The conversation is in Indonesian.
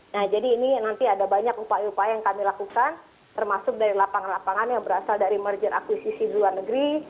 nah jadi ini nanti ada banyak upaya upaya yang kami lakukan termasuk dari lapangan lapangan yang berasal dari merger akuisisi di luar negeri